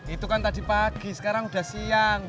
itu kan tadi pagi sekarang sudah siang